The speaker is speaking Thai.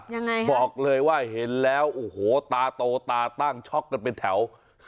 ยังไงบอกเลยว่าเห็นแล้วโอ้โหตาโตตาตั้งช็อกกันเป็นแถว